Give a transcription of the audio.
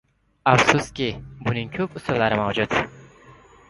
Afsuski, buning ko'p usullari mavjud.